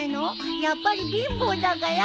やっぱり貧乏だから？